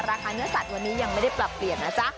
ราคาเนื้อสัตว์วันนี้ยังไม่ได้ปรับเปลี่ยนนะจ๊ะ